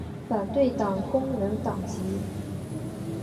反对党工人党籍。